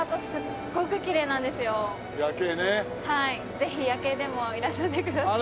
ぜひ夜景でもいらっしゃってください。